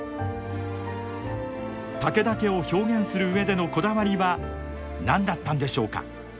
武田家を表現する上でのこだわりは何だったんでしょうか。